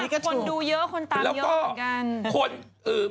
คนดูเยอะคนตามเยอะเหรอกันกันแล้วก็